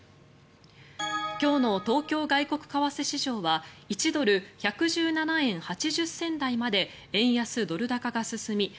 今日の東京外国為替市場は１ドル＝１１７円８０銭台まで円安・ドル高が進み